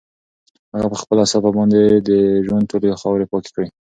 هغه په خپله صافه باندې د ژوند ټولې خاورې پاکې کړې.